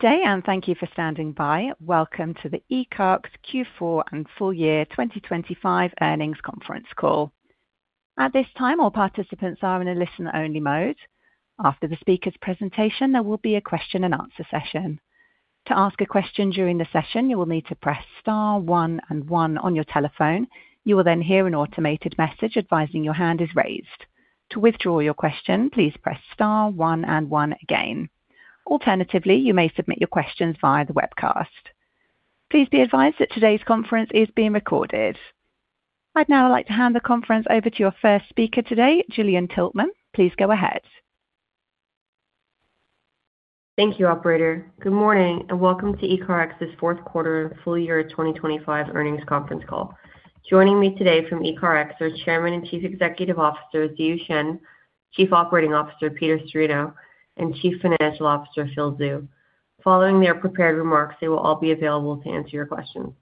Good day, and thank you for standing by. Welcome to the ECARX Q4 and full-year 2025 earnings conference call. At this time, all participants are in a listen-only mode. After the speaker's presentation, there will be a question and answer session. To ask a question during the session, you will need to press star one and one on your telephone. You will then hear an automated message advising your hand is raised. To withdraw your question, please press star one and one again. Alternatively, you may submit your questions via the webcast. Please be advised that today's conference is being recorded. I'd now like to hand the conference over to your first speaker today, Gillian Tiltman. Please go ahead. Thank you, operator. Good morning, and welcome to ECARX's fourth quarter, full-year 2025 earnings conference call. Joining me today from ECARX are Chairman and Chief Executive Officer Ziyu Shen, Chief Operating Officer Peter Cirino, and Chief Financial Officer Phil Zhou. Following their prepared remarks, they will all be available to answer your questions.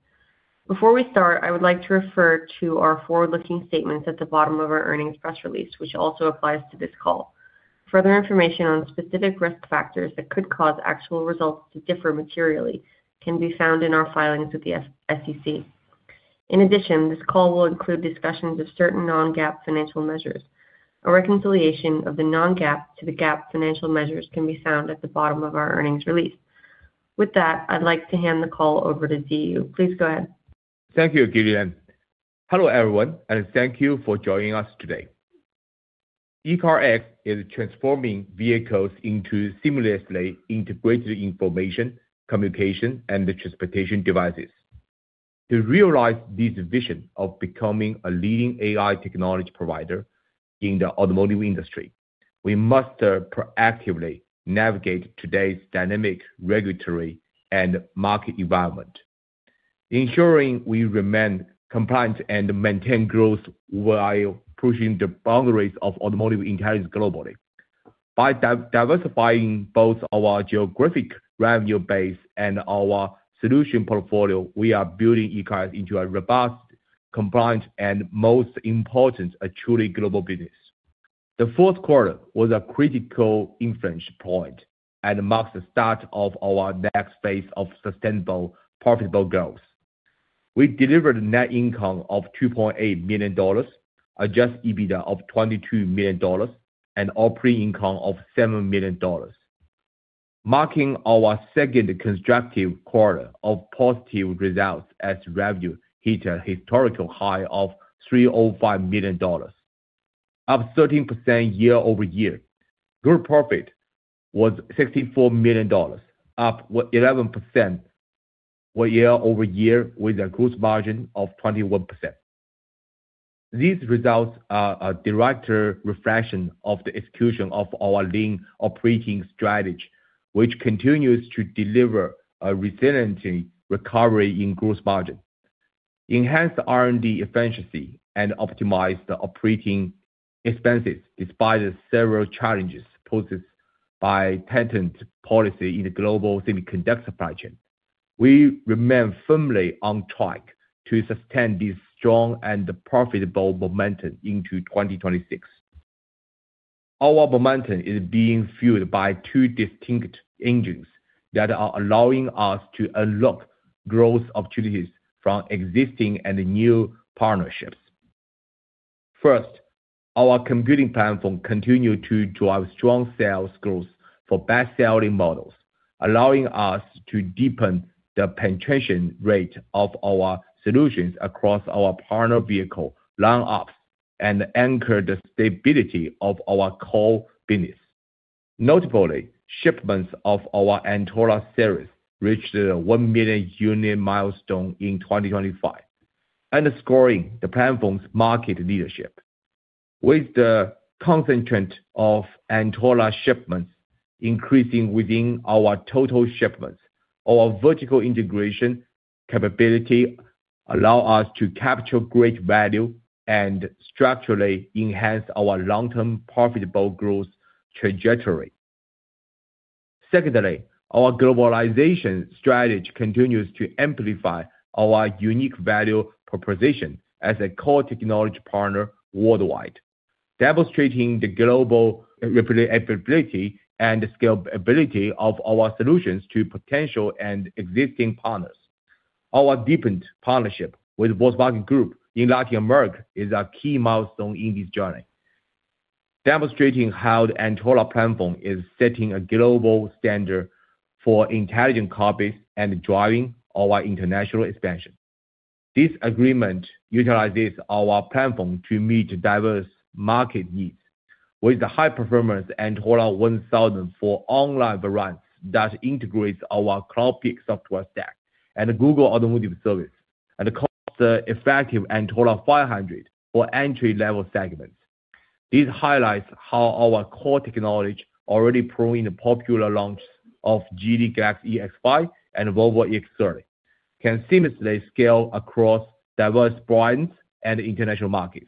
Before we start, I would like to refer to our forward-looking statements at the bottom of our earnings press release, which also applies to this call. Further information on specific risk factors that could cause actual results to differ materially can be found in our filings with the SEC. In addition, this call will include discussions of certain non-GAAP financial measures. A reconciliation of the non-GAAP to the GAAP financial measures can be found at the bottom of our earnings release. With that, I'd like to hand the call over to Ziyu. Please go ahead. Thank you, Gillian. Hello, everyone, and thank you for joining us today. ECARX is transforming vehicles into seamlessly integrated information, communication, and transportation devices. To realize this vision of becoming a leading AI technology provider in the automotive industry, we must proactively navigate today's dynamic, regulatory, and market environment, ensuring we remain compliant and maintain growth while pushing the boundaries of automotive intelligence globally. By diversifying both our geographic revenue base and our solution portfolio, we are building ECARX into a robust, compliant, and most important, a truly global business. The fourth quarter was a critical inflection point and marks the start of our next phase of sustainable, profitable growth. We delivered net income of $2.8 million, Adjusted EBITDA of $22 million, and operating income of $7 million, marking our second constructive quarter of positive results as revenue hit a historical high of $305 million, up 13% year-over-year. Gross profit was $64 million, up 11% year-over-year, with a gross margin of 21%. These results are a direct reflection of the execution of our lean operating strategy, which continues to deliver a resilient recovery in gross margin, enhance R&D efficiency, and optimize the operating expenses, despite the several challenges posed by patent policy in the global semiconductor supply chain. We remain firmly on track to sustain this strong and profitable momentum into 2026. Our momentum is being fueled by two distinct engines that are allowing us to unlock growth opportunities from existing and new partnerships. First, our computing platform continued to drive strong sales growth for best-selling models, allowing us to deepen the penetration rate of our solutions across our partner vehicle lineups and anchor the stability of our core business. Notably, shipments of our Antora series reached the 1-million-unit milestone in 2025, underscoring the platform's market leadership. With the concentration of Antora shipments increasing within our total shipments, our vertical integration capability allow us to capture great value and structurally enhance our long-term profitable growth trajectory. Secondly, our globalization strategy continues to amplify our unique value proposition as a core technology partner worldwide, demonstrating the global repeatability and scalability of our solutions to potential and existing partners. Our deepened partnership with Volkswagen Group in Latin America is a key milestone in this journey, demonstrating how the Antora platform is setting a global standard for intelligent cockpits and driving our international expansion. This agreement utilizes our platform to meet diverse market needs with the high-performance Antora 1000 for online variants that integrates our Cloudpeak software stack and Google Automotive Services, and cost-effective Antora 500 for entry-level segments. This highlights how our core technology, already proven the popular launch of Geely Galaxy EX5 and Volvo EX30, can seamlessly scale across diverse brands and international markets.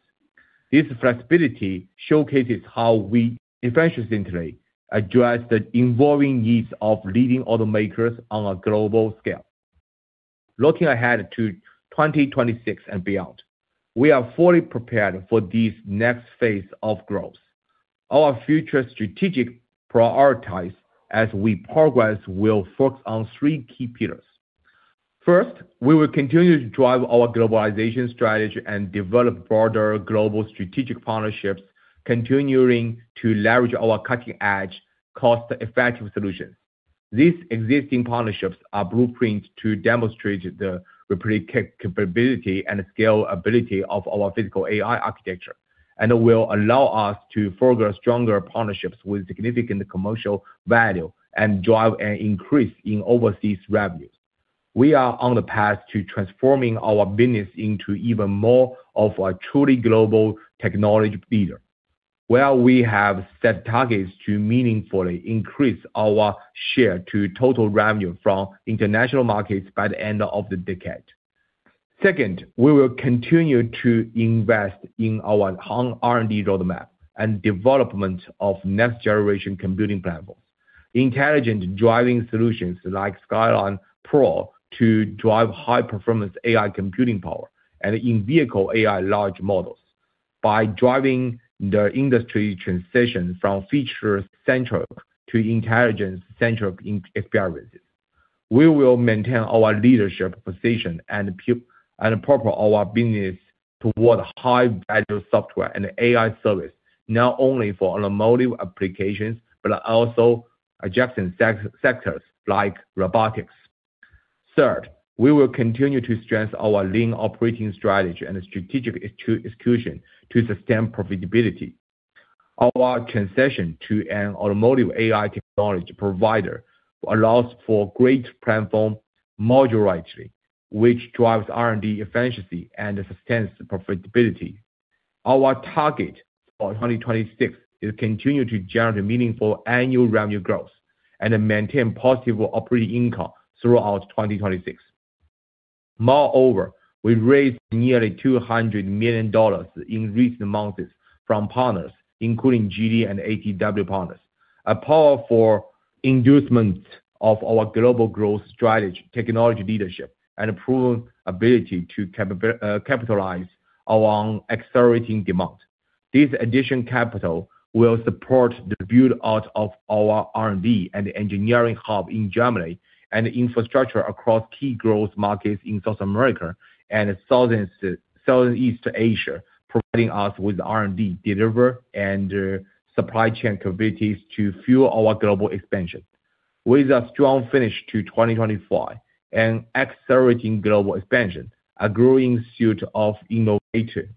This flexibility showcases how we differentially address the evolving needs of leading automakers on a global scale. Looking ahead to 2026 and beyond, we are fully prepared for this next phase of growth. Our future strategic priorities as we progress will focus on three key pillars. First, we will continue to drive our globalization strategy and develop broader global strategic partnerships, continuing to leverage our cutting-edge, cost-effective solutions. These existing partnerships are blueprint to demonstrate the replicability capability and scalability of our physical AI architecture, and will allow us to forge stronger partnerships with significant commercial value and drive an increase in overseas revenues. We are on the path to transforming our business into even more of a truly global technology leader, where we have set targets to meaningfully increase our share to total revenue from international markets by the end of the decade. Second, we will continue to invest in our R&D roadmap and development of next-generation computing platforms, intelligent driving solutions like Skyland Pro to drive high-performance AI computing power and in-vehicle AI large models. By driving the industry transition from feature-centric to intelligence-centric experiences, we will maintain our leadership position and propel our business towards high-value software and AI service, not only for automotive applications, but also adjacent sectors like robotics. Third, we will continue to strengthen our lean operating strategy and strategic execution to sustain profitability. Our position as an automotive AI technology provider allows for great platform modularity, which drives R&D efficiency and sustains profitability. Our target for 2026 is continue to generate meaningful annual revenue growth and maintain positive operating income throughout 2026. Moreover, we raised nearly $200 million in recent months from partners, including Geely and ATW Partners, a powerful inducement of our global growth strategy, technology leadership, and proven ability to capitalize on accelerating demand. This additional capital will support the build-out of our R&D and engineering hub in Germany and infrastructure across key growth markets in South America and Southern East Asia, providing us with R&D delivery and supply chain capabilities to fuel our global expansion. With a strong finish to 2025 and accelerating global expansion, a growing suite of innovative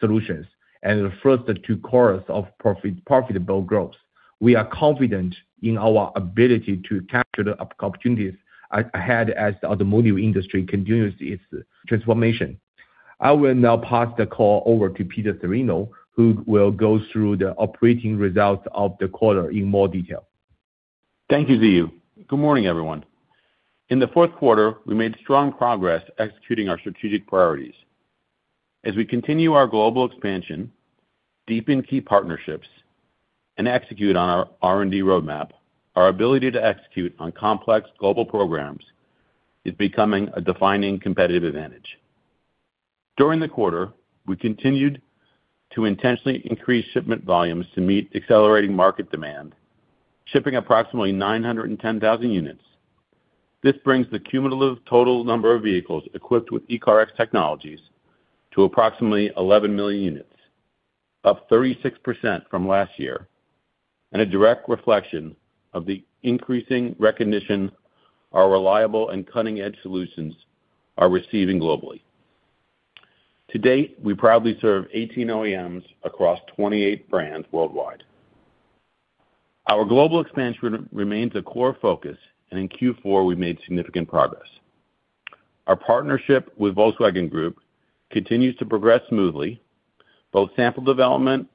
solutions, and the first two quarters of profitable growth, we are confident in our ability to capture the opportunities ahead as the automotive industry continues its transformation. I will now pass the call over to Peter Cirino, who will go through the operating results of the quarter in more detail. Thank you, Ziyu. Good morning, everyone. In the fourth quarter, we made strong progress executing our strategic priorities. As we continue our global expansion, deepen key partnerships, and execute on our R&D roadmap, our ability to execute on complex global programs is becoming a defining competitive advantage. During the quarter, we continued to intentionally increase shipment volumes to meet accelerating market demand, shipping approximately 910,000 units. This brings the cumulative total number of vehicles equipped with ECARX technologies to approximately 11 million units, up 36% from last year, and a direct reflection of the increasing recognition our reliable and cutting-edge solutions are receiving globally. To date, we proudly serve 18 OEMs across 28 brands worldwide. Our global expansion remains a core focus, and in Q4, we made significant progress. Our partnership with Volkswagen Group continues to progress smoothly. Both sample development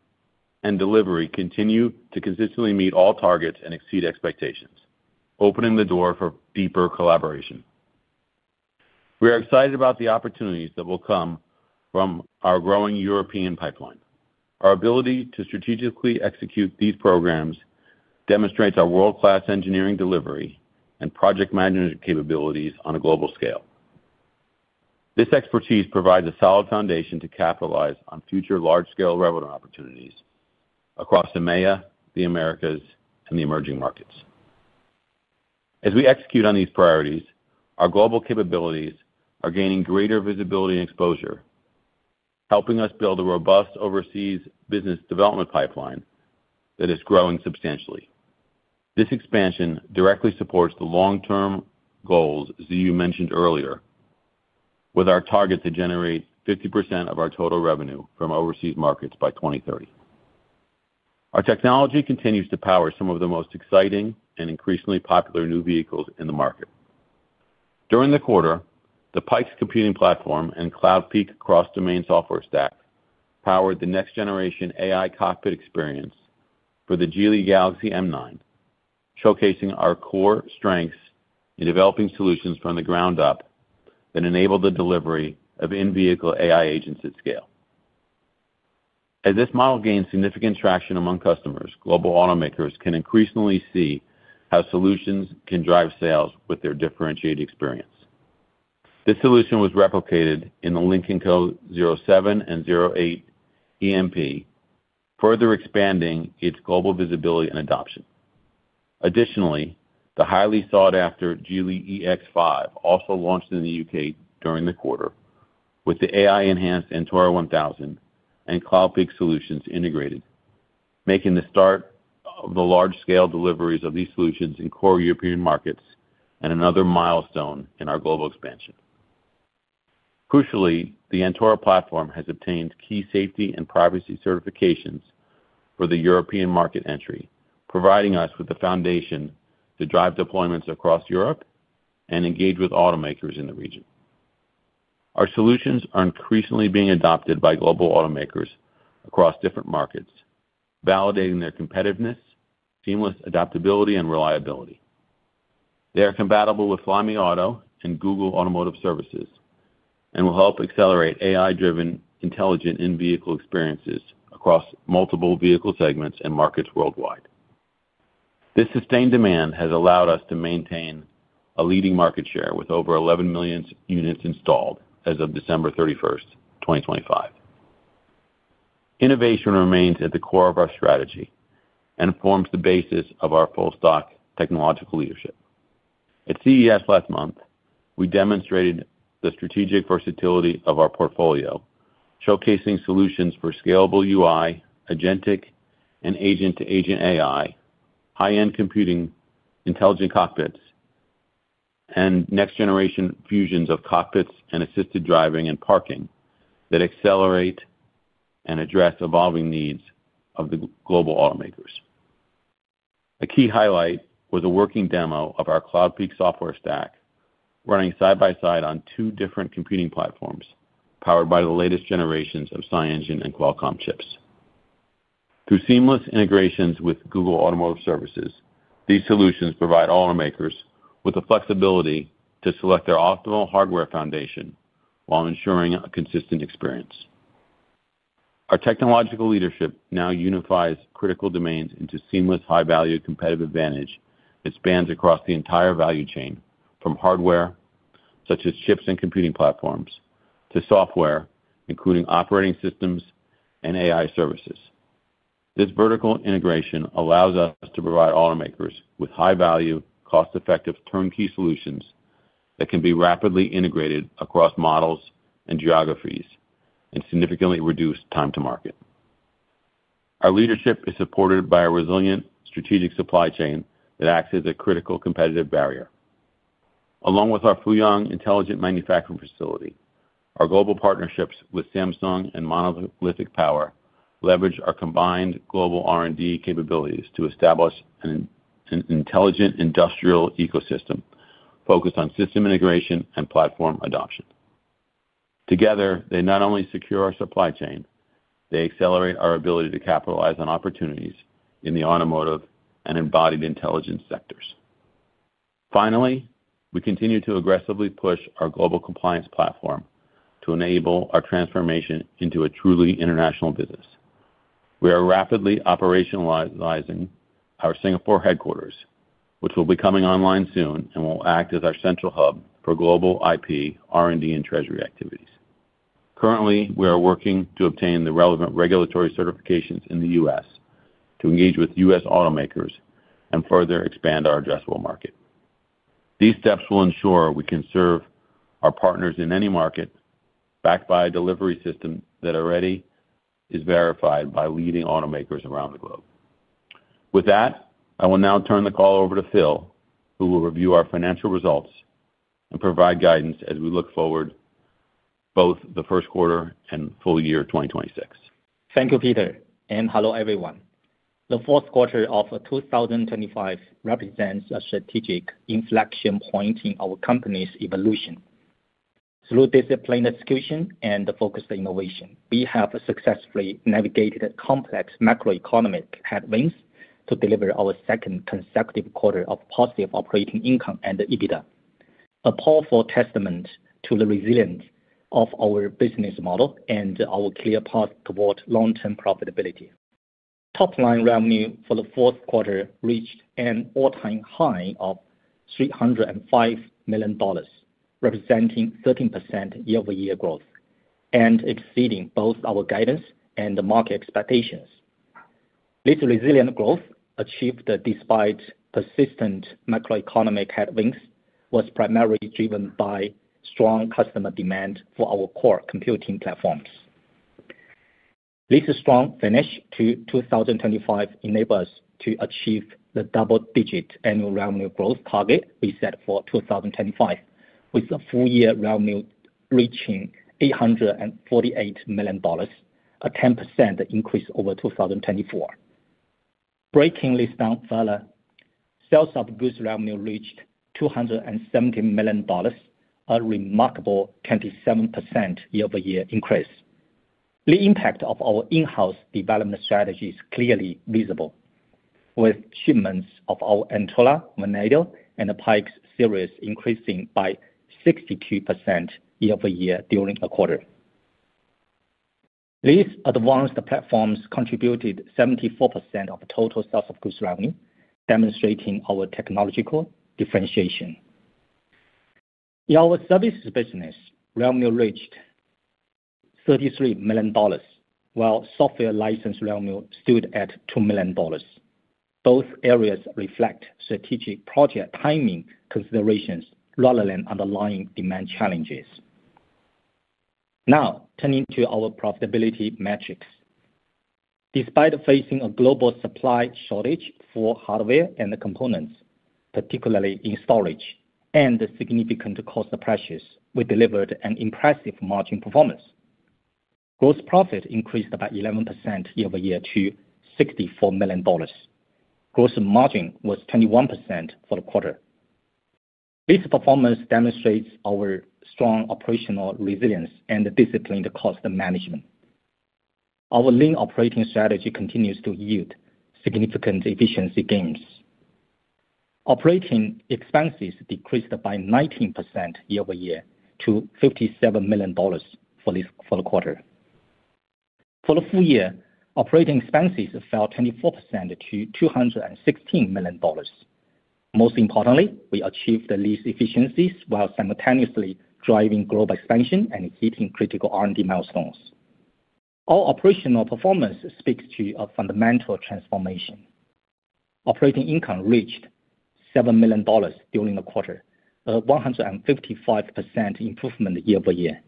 and delivery continue to consistently meet all targets and exceed expectations, opening the door for deeper collaboration. We are excited about the opportunities that will come from our growing European pipeline. Our ability to strategically execute these programs demonstrates our world-class engineering delivery and project management capabilities on a global scale. This expertise provides a solid foundation to capitalize on future large-scale revenue opportunities across EMEA, the Americas, and the emerging markets. As we execute on these priorities, our global capabilities are gaining greater visibility and exposure, helping us build a robust overseas business development pipeline that is growing substantially. This expansion directly supports the long-term goals Ziyu mentioned earlier, with our target to generate 50% of our total revenue from overseas markets by 2030. Our technology continues to power some of the most exciting and increasingly popular new vehicles in the market. During the quarter, the Pikes computing platform and Cloudpeak cross-domain software stack powered the next-generation AI cockpit experience for the Geely Galaxy M9, showcasing our core strengths in developing solutions from the ground up that enable the delivery of in-vehicle AI agents at scale. As this model gains significant traction among customers, global automakers can increasingly see how solutions can drive sales with their differentiated experience. This solution was replicated in the Lynk & Co 07 and 08 EM-P, further expanding its global visibility and adoption. Additionally, the highly sought after Geely EX5 also launched in the U.K. during the quarter, with the AI-enhanced Antora 1000 and Cloudpeak solutions integrated, making the start of the large-scale deliveries of these solutions in core European markets and another milestone in our global expansion. Crucially, the Antora platform has obtained key safety and privacy certifications for the European market entry, providing us with the foundation to drive deployments across Europe and engage with automakers in the region. Our solutions are increasingly being adopted by global automakers across different markets, validating their competitiveness, seamless adaptability, and reliability. They are compatible with Flyme Auto and Google Automotive Services, and will help accelerate AI-driven, intelligent in-vehicle experiences across multiple vehicle segments and markets worldwide. This sustained demand has allowed us to maintain a leading market share with over 11 million units installed as of December 31st, 2025. Innovation remains at the core of our strategy and forms the basis of our full stack technological leadership. At CES last month, we demonstrated the strategic versatility of our portfolio, showcasing solutions for scalable UI, agentic, and agent-to-agent AI, high-end computing, intelligent cockpits, and next-generation fusions of cockpits and assisted driving and parking that accelerate and address evolving needs of the global automakers. A key highlight was a working demo of our Cloudpeak software stack, running side by side on two different computing platforms, powered by the latest generations of SiEngine and Qualcomm chips. Through seamless integrations with Google Automotive Services, these solutions provide automakers with the flexibility to select their optimal hardware foundation while ensuring a consistent experience. Our technological leadership now unifies critical domains into seamless, high-value, competitive advantage that spans across the entire value chain, from hardware, such as chips and computing platforms, to software, including operating systems and AI services. This vertical integration allows us to provide automakers with high-value, cost-effective, turnkey solutions that can be rapidly integrated across models and geographies, and significantly reduce time to market. Our leadership is supported by a resilient strategic supply chain that acts as a critical competitive barrier. Along with our Fuyang intelligent manufacturing facility, our global partnerships with Samsung and Monolithic Power leverage our combined global R&D capabilities to establish an intelligent industrial ecosystem focused on system integration and platform adoption. Together, they not only secure our supply chain, they accelerate our ability to capitalize on opportunities in the automotive and embodied intelligence sectors. Finally, we continue to aggressively push our global compliance platform to enable our transformation into a truly international business. We are rapidly operationalizing our Singapore headquarters, which will be coming online soon and will act as our central hub for global IP, R&D, and treasury activities. Currently, we are working to obtain the relevant regulatory certifications in the U.S. to engage with U.S. automakers and further expand our addressable market. These steps will ensure we can serve our partners in any market, backed by a delivery system that already is verified by leading automakers around the globe. With that, I will now turn the call over to Phil, who will review our financial results and provide guidance as we look forward, both the first quarter and full-year 2026. Thank you, Peter, and hello, everyone. The fourth quarter of 2025 represents a strategic inflection point in our company's evolution. Through disciplined execution and focused innovation, we have successfully navigated complex macroeconomic headwinds to deliver our second consecutive quarter of positive operating income and EBITDA, a powerful testament to the resilience of our business model and our clear path toward long-term profitability. Top-line revenue for the fourth quarter reached an all-time high of $305 million, representing 13% year-over-year growth and exceeding both our guidance and the market expectations. This resilient growth, achieved despite persistent macroeconomic headwinds, was primarily driven by strong customer demand for our core computing platforms. This strong finish to 2025 enables us to achieve the double-digit annual revenue growth target we set for 2025, with the full-year revenue reaching $848 million, a 10% increase over 2024. Breaking this down further, sales of goods revenue reached $270 million, a remarkable 27% year-over-year increase. The impact of our in-house development strategy is clearly visible. With shipments of our Antora, Venado, and the Pikes series increasing by 62% year-over-year during the quarter. These advanced platforms contributed 74% of total sales of goods revenue, demonstrating our technological differentiation. In our services business, revenue reached $33 million, while software license revenue stood at $2 million. Both areas reflect strategic project timing considerations rather than underlying demand challenges. Now, turning to our profitability metrics. Despite facing a global supply shortage for hardware and the components, particularly in storage and significant cost pressures, we delivered an impressive margin performance. Gross profit increased by 11% year-over-year to $64 million. Gross margin was 21% for the quarter. This performance demonstrates our strong operational resilience and disciplined cost management. Our lean operating strategy continues to yield significant efficiency gains. Operating expenses decreased by 19% year-over-year to $57 million for the quarter. For the full year, operating expenses fell 24% to $216 million. Most importantly, we achieved these efficiencies while simultaneously driving global expansion and hitting critical R&D milestones. Our operational performance speaks to a fundamental transformation. Operating income reached $7 million during the quarter, a 155% improvement year-over-year.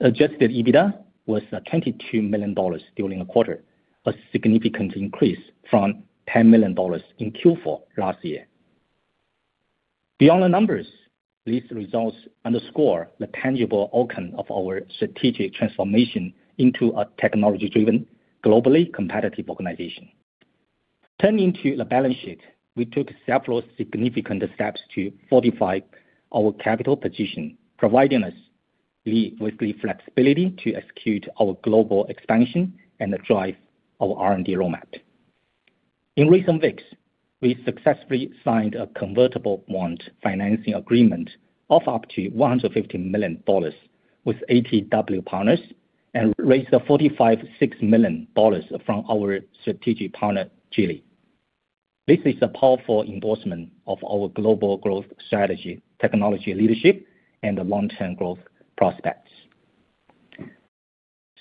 Adjusted EBITDA was $22 million during the quarter, a significant increase from $10 million in Q4 last year. Beyond the numbers, these results underscore the tangible outcome of our strategic transformation into a technology-driven, globally competitive organization. Turning to the balance sheet, we took several significant steps to fortify our capital position, providing us with the flexibility to execute our global expansion and drive our R&D roadmap. In recent weeks, we successfully signed a convertible bond financing agreement of up to $150 million with ATW Partners and raised $45.6 million from our strategic partner, Geely. This is a powerful endorsement of our global growth strategy, technology leadership, and long-term growth prospects.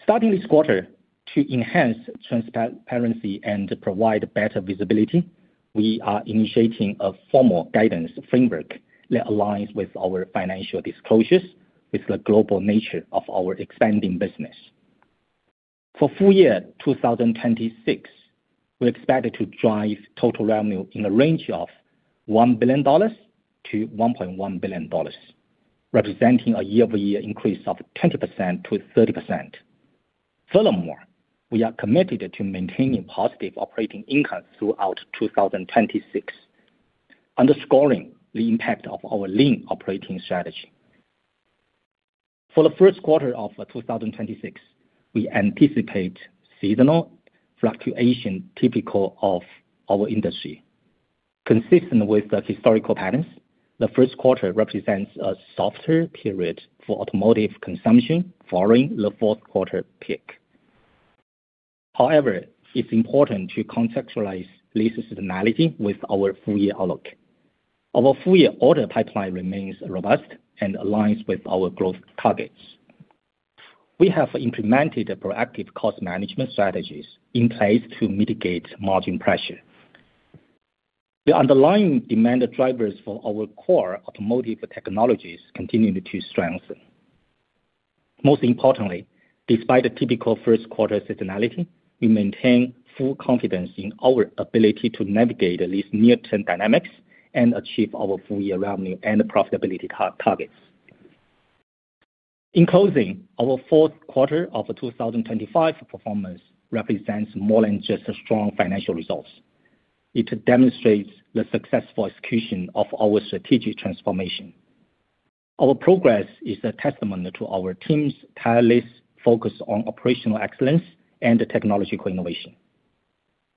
Starting this quarter, to enhance transparency and provide better visibility, we are initiating a formal guidance framework that aligns with our financial disclosures with the global nature of our expanding business. For full-year 2026, we expected to drive total revenue in the range of $1 billion-$1.1 billion, representing a year-over-year increase of 20%-30%. Furthermore, we are committed to maintaining positive operating income throughout 2026, underscoring the impact of our lean operating strategy. For the first quarter of 2026, we anticipate seasonal fluctuation typical of our industry. Consistent with the historical patterns, the first quarter represents a softer period for automotive consumption following the fourth quarter peak. However, it's important to contextualize this seasonality with our full-year outlook. Our full-year order pipeline remains robust and aligns with our growth targets. We have implemented a proactive cost management strategies in place to mitigate margin pressure. The underlying demand drivers for our core automotive technologies continue to strengthen. Most importantly, despite the typical first quarter seasonality, we maintain full confidence in our ability to navigate at least near-term dynamics and achieve our full-year revenue and profitability targets. In closing, our fourth quarter of 2025 performance represents more than just a strong financial results. It demonstrates the successful execution of our strategic transformation. Our progress is a testament to our team's tireless focus on operational excellence and technological innovation.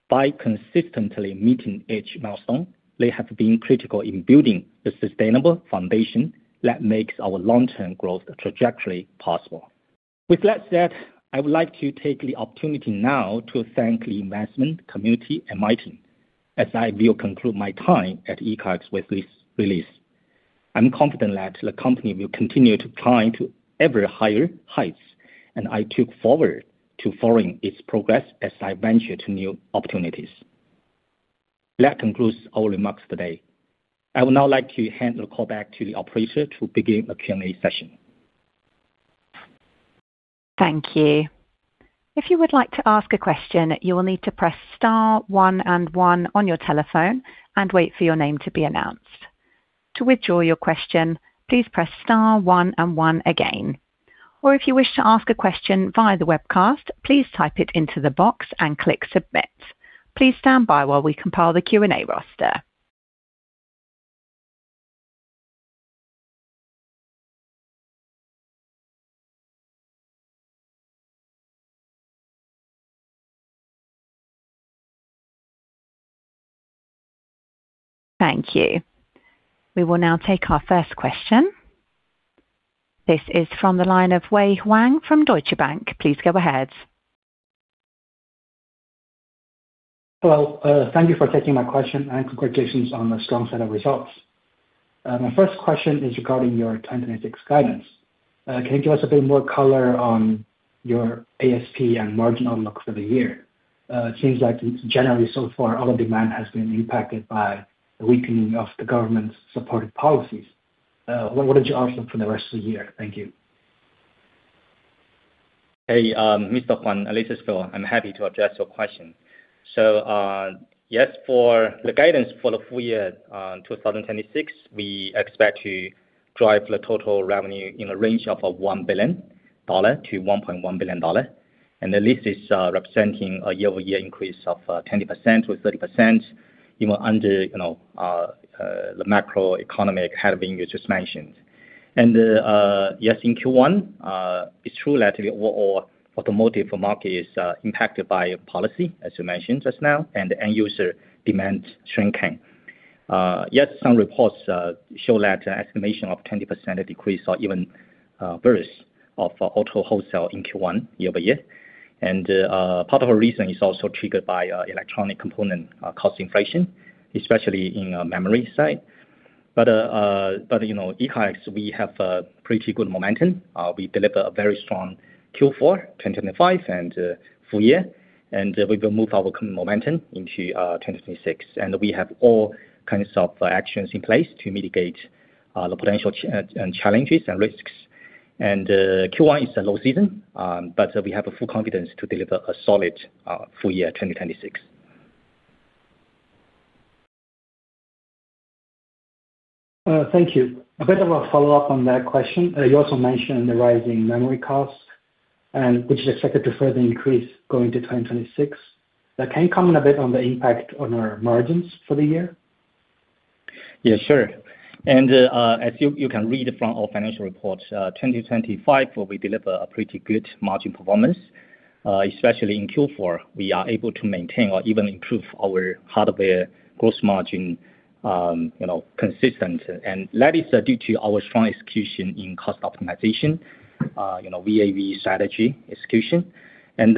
By consistently meeting each milestone, they have been critical in building the sustainable foundation that makes our long-term growth trajectory possible. With that said, I would like to take the opportunity now to thank the investment community and my team, as I will conclude my time at ECARX with this release. I'm confident that the company will continue to climb to ever higher heights, and I look forward to following its progress as I venture to new opportunities. That concludes our remarks today. I would now like to hand the call back to the operator to begin the Q&A session. Thank you. If you would like to ask a question, you will need to press star one and one on your telephone and wait for your name to be announced. To withdraw your question, please press star one and one again, or if you wish to ask a question via the webcast, please type it into the box and click submit. Please stand by while we compile the Q&A roster. Thank you. We will now take our first question. This is from the line of Wei Huang from Deutsche Bank. Please go ahead. Hello, thank you for taking my question, and congratulations on the strong set of results. My first question is regarding your 2026 guidance. Can you give us a bit more color on your ASP and marginal look for the year? It seems like generally so far, all the demand has been impacted by the weakening of the government's supported policies. What, what did you answer for the rest of the year? Thank you. Hey, Mr. Huang, thanks as well. I'm happy to address your question. So, yes, for the guidance for the full-year 2026, we expect to drive the total revenue in a range of $1 billion-$1.1 billion. And at least it's representing a year-over-year increase of 20% or 30%, even under, you know, the macroeconomy having you just mentioned. And yes, in Q1, it's true that automotive market is impacted by policy, as you mentioned just now, and end user demand shrinking. Yes, some reports show that estimation of 20% decrease or even worse of auto wholesale in Q1, year-over-year. And part of the reason is also triggered by electronic component cost inflation, especially in memory side. But, you know, ECARX, we have a pretty good momentum. We deliver a very strong Q4, 2025, and full year, and we will move our momentum into 2026. And we have all kinds of actions in place to mitigate the potential challenges and risks. And Q1 is a low season, but we have full confidence to deliver a solid full-year, 2026. Thank you. A bit of a follow-up on that question. You also mentioned the rising memory costs, and which is expected to further increase going to 2026. Can you comment a bit on the impact on our margins for the year? Yeah, sure. And, as you, you can read from our financial reports, 2025, where we deliver a pretty good margin performance, especially in Q4, we are able to maintain or even improve our hardware gross margin, you know, consistent. And that is due to our strong execution in cost optimization, you know, VA/VE strategy execution. And,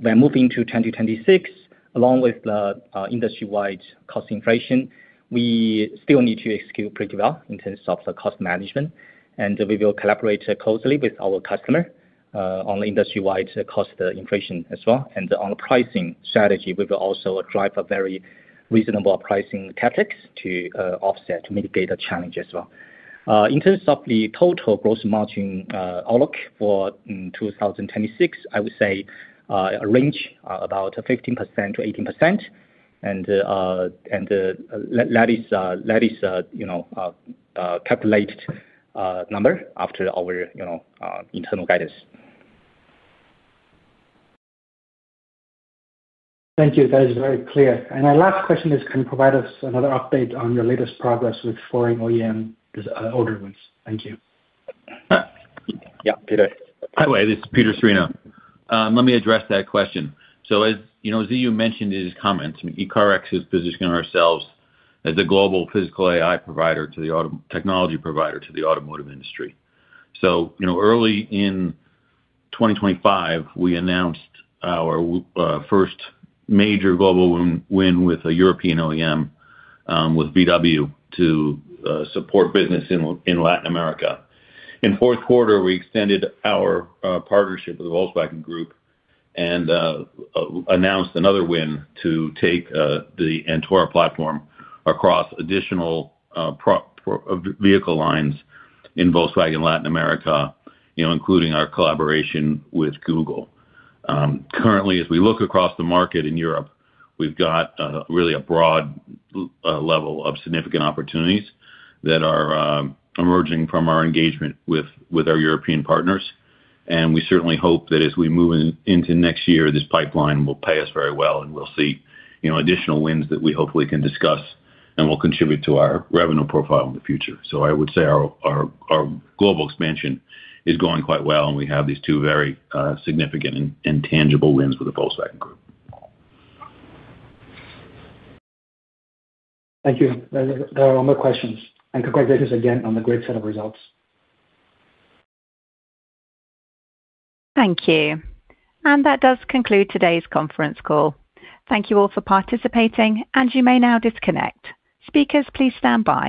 we're moving to 2026, along with the, industry-wide cost inflation, we still need to execute pretty well in terms of the cost management, and we will collaborate closely with our customer, on industry-wide cost inflation as well. And on the pricing strategy, we will also drive a very reasonable pricing tactics to, offset, to mitigate the challenge as well. In terms of the total gross margin outlook for 2026, I would say a range about 15%-18%, and that is, you know, a calculated number after our, you know, internal guidance. Thank you. That is very clear. My last question is: can you provide us another update on your latest progress with foreign OEM, order wins? Thank you. Yeah. Peter? By the way, this is Peter Cirino. Let me address that question. So as you know, Ziyu mentioned in his comments, ECARX is positioning ourselves as a global vehicle AI and automotive technology provider to the automotive industry. So, you know, early in 2025, we announced our first major global win with a European OEM with VW to support business in Latin America. In fourth quarter, we extended our partnership with the Volkswagen Group and announced another win to take the Antora platform across additional vehicle lines in Volkswagen Latin America, you know, including our collaboration with Google. Currently, as we look across the market in Europe, we've got really a broad level of significant opportunities that are emerging from our engagement with our European partners, and we certainly hope that as we move into next year, this pipeline will pay us very well, and we'll see, you know, additional wins that we hopefully can discuss and will contribute to our revenue profile in the future. So I would say our global expansion is going quite well, and we have these two very significant and tangible wins with the Volkswagen Group. Thank you. There are no more questions, and congratulations again on the great set of results. Thank you. That does conclude today's conference call. Thank you all for participating, and you may now disconnect. Speakers, please stand by.